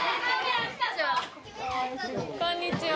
こんにちは。